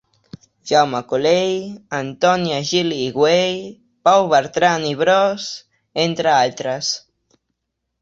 Jaume Collell, Antònia Gili i Güell, Pau Bertran i Bros, entre altres.